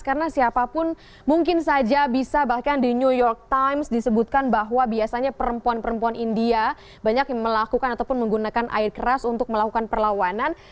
karena siapapun mungkin saja bisa bahkan di new york times disebutkan bahwa biasanya perempuan perempuan india banyak yang melakukan ataupun menggunakan air keras untuk melakukan perlawanan